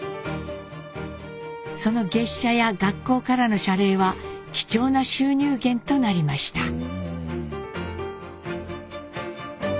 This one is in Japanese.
その月謝や学校からの謝礼は貴重な収入源となりました。